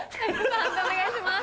判定お願いします。